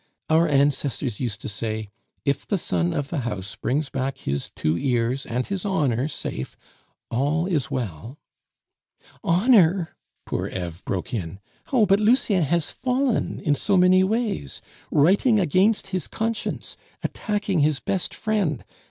Our ancestors used to say, 'If the son of the house brings back his two ears and his honor safe, all is well '" "Honor!" poor Eve broke in. "Oh, but Lucien has fallen in so many ways! Writing against his conscience! Attacking his best friend!